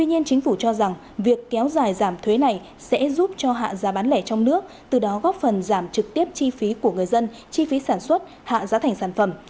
tuy nhiên chính phủ cho rằng việc kéo dài giảm thuế này sẽ giúp cho hạ giá bán lẻ trong nước từ đó góp phần giảm trực tiếp chi phí của người dân chi phí sản xuất hạ giá thành sản phẩm